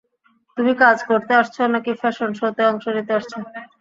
তুমি কাজ করতে আসছো নাকি ফ্যাশন শোতে অংশ নিতে আসছো?